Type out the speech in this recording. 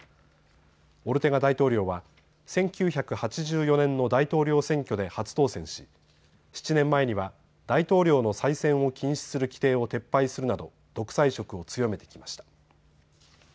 オルテガ大統領は１９８４年の大統領選挙で初当選し、７年前には大統領の再選を禁止する規定を撤廃するなど独裁色を強めてきました。